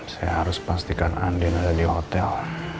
saya harus pastikan andin ada di hotel